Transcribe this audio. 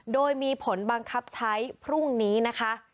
โดยมีผลบังคับใช้พรุ่งนี้นะคะ